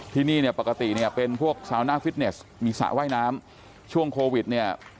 ที่นี่เนี่ยปกติเนี่ยเป็นพวกมีสระว่ายน้ำช่วงโควิดเนี่ย